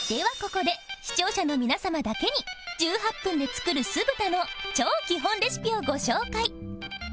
ここで視聴者の皆様だけに１８分で作る酢豚の超基本レシピをご紹介